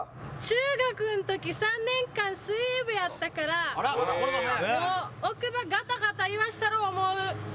中学の時３年間水泳部やったからもう奥歯ガタガタ言わしたろ思う！